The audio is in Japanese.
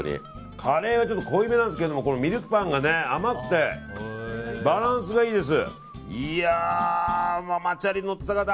カレー、結構濃いめなんですけどこのミルクパンが甘くてバランスがいいです。